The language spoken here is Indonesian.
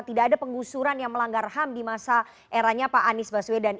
tidak ada penggusuran yang melanggar ham di masa eranya pak anies baswedan